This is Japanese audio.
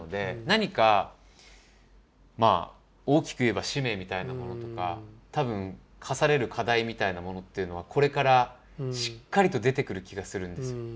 何かまあ大きく言えば使命みたいなものとか多分課される課題みたいなものというのはこれからしっかりと出てくる気がするんですよ。